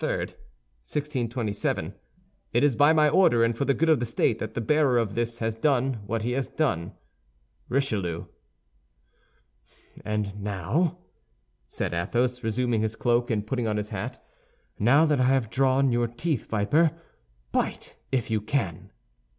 3, 1627 "It is by my order and for the good of the state that the bearer of this has done what he has done. "RICHELIEU" "And now," said Athos, resuming his cloak and putting on his hat, "now that I have drawn your teeth, viper, bite if you can."